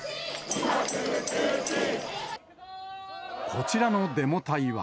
こちらのデモ隊は。